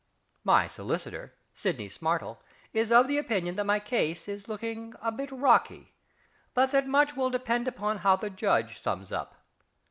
My solicitor, SIDNEY SMARTLE, is of the opinion that my case is looking "a bit rocky," but that much will depend upon how the Judge sums up.